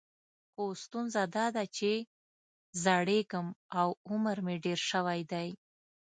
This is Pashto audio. خو ستونزه دا ده چې زړیږم او عمر مې ډېر شوی دی.